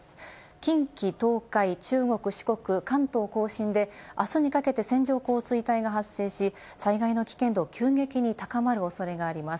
近畿、東海、中国、四国、関東甲信で、あすにかけて線状降水帯が発生し、災害の危険度を急激に高まる恐れがあります。